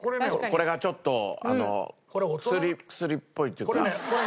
これがちょっと薬薬っぽいっていうか。